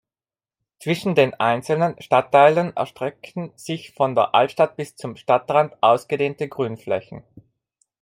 Zwischen den einzelnen Stadtteilen erstrecken sich von der Altstadt bis zum Stadtrand ausgedehnte Grünflächen.